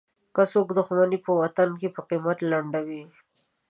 که څوک دوښمني په وطن په قیمت لنډوي.